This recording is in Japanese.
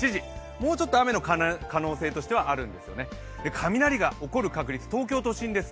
もうちょっと雨の可能性としてはあるんですよね。